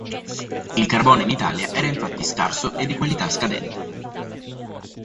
Il carbone in Italia era infatti scarso e di qualità scadente.